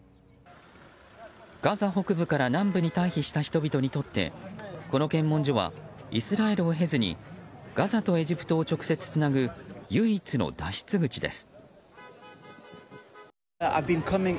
ガザ北部から南部に退避した人々にとってこの検問所はイスラエルを経ずにガザとエジプトを直接つなぐ唯一の脱出口です。